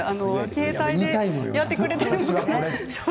携帯でやってくれているんですね。